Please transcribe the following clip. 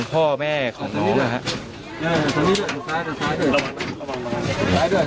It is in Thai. และคุณก็จะพอไปนะครับ